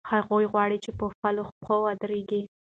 هغوی غواړي په خپلو پښو ودرېږي.